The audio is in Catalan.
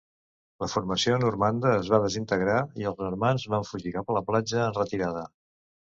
La formació normanda es va desintegrar i els normands van fugir cap a la platja en retirada.